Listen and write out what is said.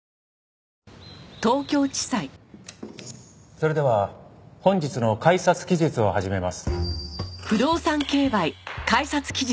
それでは本日の開札期日を始めます。